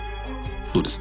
どうです？